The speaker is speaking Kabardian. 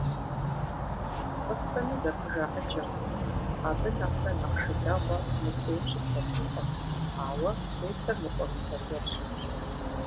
ЦӀыхухэми зэпхыжаӀыкӀырт: «Абы нэхърэ нэхъ шы дэгъуэ мы куейм щыбгъуэтынкъым, ауэ тесыр мыкӀуэмытэ гуэрщ».